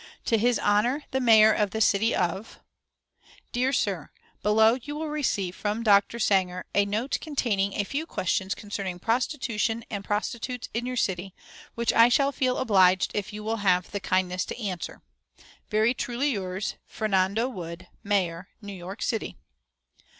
"TO HIS HONOR THE MAYOR OF THE CITY OF : "DEAR SIR, Below you will receive from Dr. Sanger a note containing a few questions concerning Prostitution and Prostitutes in your city, which I shall feel obliged if you will have the kindness to answer. "Very truly yours, "FERNANDO WOOD, Mayor New York City."